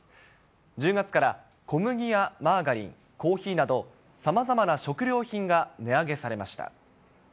１０月から小麦やマーガリン、コーヒーなど、さまざまな食料品が値上げされました。